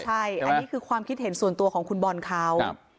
ใช่อันนี้คือความคิดเห็นส่วนตัวของคุณบอลเขา